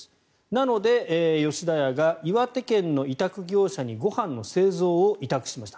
なので、吉田屋が岩手県の委託業者にご飯の製造を委託しました。